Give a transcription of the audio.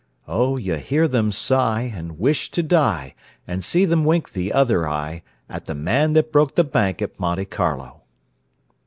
Oh, you hear them sigh, and wish to die, And see them wink the other eye. At the man that broke the bank at Monte Carlo!"